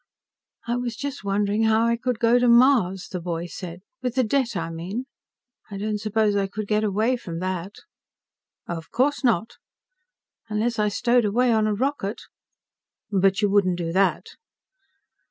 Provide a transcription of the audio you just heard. "I was just wondering how I could go to Mars," the boy said. "With the debt, I mean. I don't suppose I could get away from that." "Of course not." "Unless I stowed away on a rocket." "But you wouldn't do that."